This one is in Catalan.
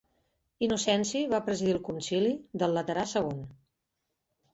Innocenci va presidir el Concili del Laterà II.